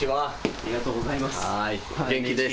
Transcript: ありがとうございます。